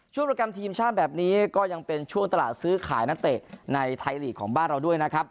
โปรแกรมทีมชาติแบบนี้ก็ยังเป็นช่วงตลาดซื้อขายนักเตะในไทยลีกของบ้านเราด้วยนะครับ